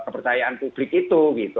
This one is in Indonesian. pertayaan publik itu